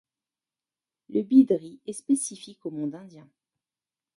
Le bidri est spécifique au monde indien.